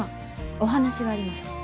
お話があります。